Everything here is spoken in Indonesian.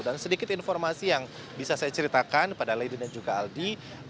dan sedikit informasi yang bisa saya ceritakan pada lady dan juga aldi